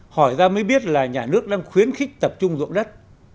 hỏi ra mới biết là nhà nước đang khuyến khích tập trung dụng đất